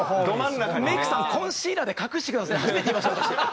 「メイクさんコンシーラーで隠してください」って初めて言いました私。